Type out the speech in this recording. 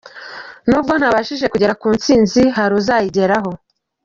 Nubwo ntabashije kugera ku ntsinzi, hari uzayigeraho.